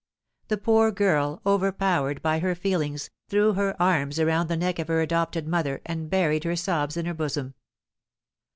The poor girl, overpowered by her feelings, threw her arms around the neck of her adopted mother and buried her sobs in her bosom.